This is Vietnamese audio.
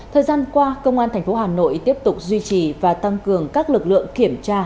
thời gian qua công an tp hà nội tiếp tục duy trì và tăng cường các lực lượng kiểm tra